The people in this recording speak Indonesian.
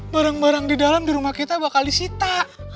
barang barang di dalam di rumah kita bakal disita